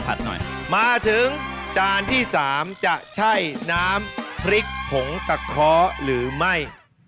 หน่อยมาถึงจานที่สามจะใช่น้ำพริกผงตะเคาะหรือไม่